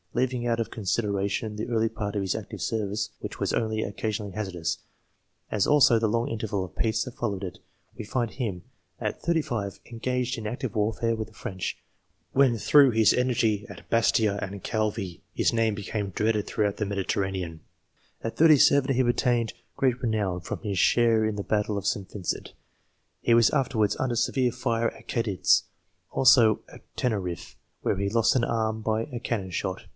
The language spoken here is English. Leaving out of consideration the early part of his active service, which was only occasionally hazardous, as also the long interval of peace that followed it, we find him, set. 35, engaged in active warfare with the French, when, through his energy at Bastia and Calvi, his name became dreaded throughout the Mediterranean. JEit. 37, he obtained great renown from his share in the battle of St. Vincent. He was afterwards under severe fire at Cadiz, also at TenerifTe where he lost an arm by a cannon shot.